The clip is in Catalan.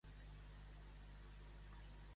Els de Benimodo, cuquelles.